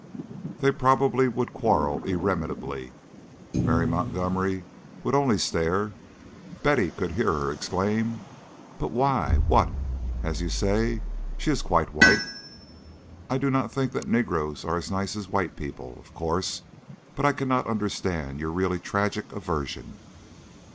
They probably would quarrel irremediably. Mary Montgomery would only stare. Betty could hear her exclaim: "But why? What? And you say she is quite white? I do not think that negroes are as nice as white people, of course; but I cannot understand your really tragic aversion."